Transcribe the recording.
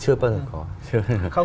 chưa bao giờ có